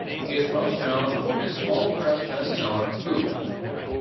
He is most known for his small press bestseller Foop!